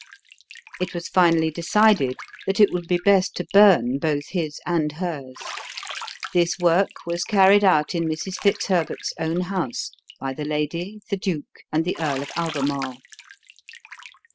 It was finally decided that it would be best to burn both his and hers. This work was carried out in Mrs. Fitzherbert's own house by the lady, the duke, and the Earl of Albemarle.